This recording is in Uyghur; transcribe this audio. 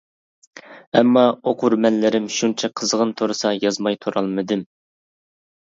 ئەمما ئوقۇرمەنلىرىم شۇنچە قىزغىن تۇرسا يازماي تۇرالمىدىم.